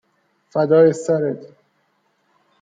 فدای سرت